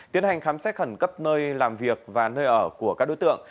tiến hành khám xét khẩn cấp nơi làm việc và nơi ở của các đối tượng